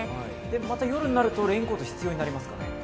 また夜になると、レインコート必要になりますか。